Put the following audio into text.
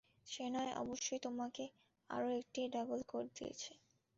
শেনয় অবশ্যই তোমাকে আরো একটি ডাবল কোড দিয়েছে।